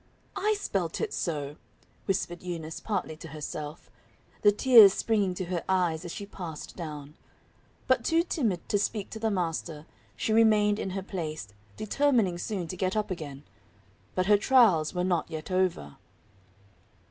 "I spelt it so," whispered Eunice partly to herself; the tears springing to her eyes as she passed down. But too timid to speak to the master, she remained in her place, determining soon to get up again. But her trials were not yet over.